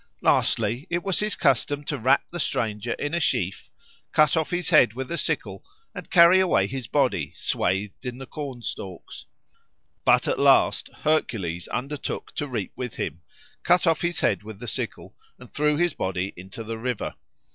Lastly, it was his custom to wrap the stranger in a sheaf, cut off his head with a sickle, and carry away his body, swathed in the corn stalks. But at last Hercules undertook to reap with him, cut off his head with the sickle, and threw his body into the river.